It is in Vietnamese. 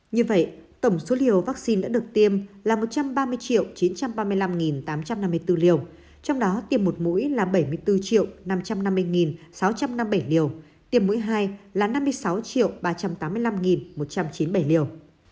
như vậy tổng số liều vaccine đã được tiêm là một trăm ba mươi chín trăm ba mươi năm tám trăm năm mươi bốn liều trong đó tiêm một mũi là bảy mươi bốn năm trăm năm mươi sáu trăm năm mươi bảy liều tiêm mũi hai là năm mươi sáu ba trăm tám mươi năm một trăm chín mươi bảy liều